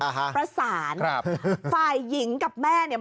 อ่าฮะครับประสานฝ่ายหญิงกับแม่เนี่ย